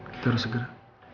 kita harus segera